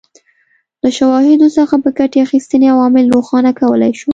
له شواهدو څخه په ګټې اخیستنې عوامل روښانه کولای شو.